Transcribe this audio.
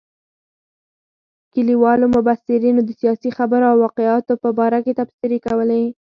کلیوالو مبصرینو د سیاسي خبرو او واقعاتو په باره کې تبصرې کولې.